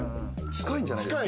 近いんじゃないですか？